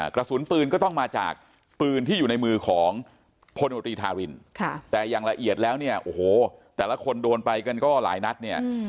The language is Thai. กระสุนปืนก็ต้องมาจากปืนที่อยู่ในมือของพลโนตรีทารินแต่อย่างละเอียดแล้วเนี่ยโอ้โหแต่ละคนโดนไปกันก็หลายนัดเนี่ย